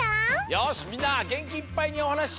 よしみんなげんきいっぱいにおはなししようね！